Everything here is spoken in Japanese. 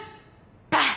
バン！